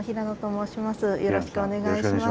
よろしくお願いします。